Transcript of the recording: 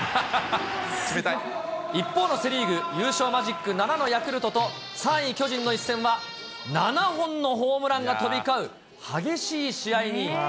一方のセ・リーグ、優勝マジック７のヤクルトと、３位巨人の一戦は、７本のホームランが飛び交う激しい試合に。